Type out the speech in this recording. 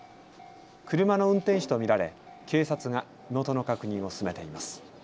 車の運転手と見られ、警察が身元の確認を進めています。